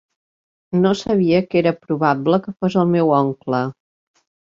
No sabia que era probable que fos el meu oncle.